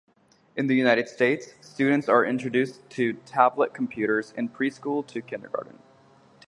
In the United States, students are introduced to tablet computers in preschool or kindergarten.